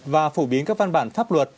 và phổ biến các văn bản pháp luật